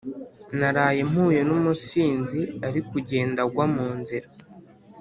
Naraye mpuye numusinzi arikugenda agwa munzira